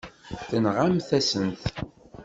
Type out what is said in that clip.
Tenɣamt-asent-t.